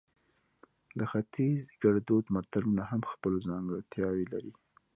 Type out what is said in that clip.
د ختیز ګړدود متلونه هم خپل ځانګړتیاوې لري